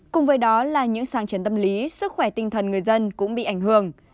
cùng với đó là những sáng chấn tâm lý sức khỏe tinh thần người dân cũng bị ảnh hưởng